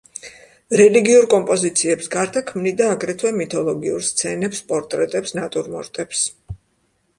რელიგიურ კომპოზიციებს გარდა ქმნიდა აგრეთვე მითოლოგიურ სცენებს, პორტრეტებს, ნატურმორტებს.